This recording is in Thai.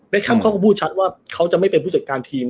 ค่ำเขาก็พูดชัดว่าเขาจะไม่เป็นผู้จัดการทีม